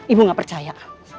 ibu nggak percaya